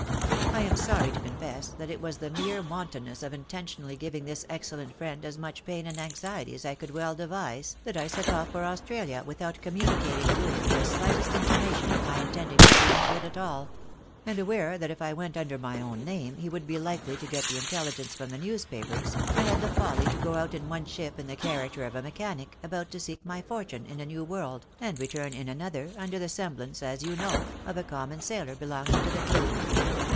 I am sorry to confess, that it was in the mere wantonness of intentionally giving this excellent friend as much pain and anxiety as I could well devise, that I set off for Austraha without communicating to him the shghtest intimation of my intending to leave England at all ; and aware that if I went under my own name, he would be hkely to get the intelligence from the newspapers, I had the foUy to go out in one ship in the character of a mechanic about to seek my fortune in a new world, and return in another, under the semblance, as you know, of a common sailor belonging to the crew.